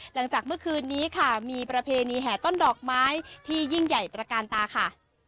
หลังจากเมื่อคืนนี้ค่ะมีประเพณีแห่ต้นดอกไม้ที่ยิ่งใหญ่ตระกาลตาค่ะ